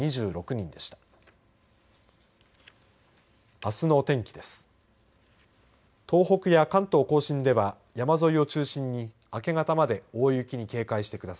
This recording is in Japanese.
あすの天気です。